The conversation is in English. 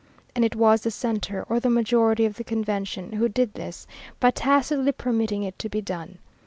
And it was the Centre, or the majority of the Convention, who did this, by tacitly permitting it to be done.